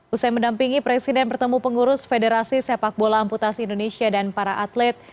usai mendampingi presiden bertemu pengurus federasi sepak bola amputasi indonesia dan para atlet